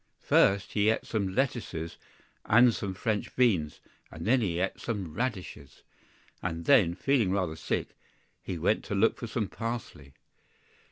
FIRST he ate some lettuces and some French beans; and then he ate some radishes; AND then, feeling rather sick, he went to look for some parsley.